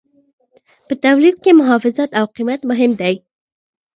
په تولید کې محافظت او قیمت مهم دي.